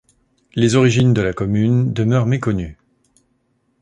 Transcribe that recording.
Les origines de la commune demeurent méconnues.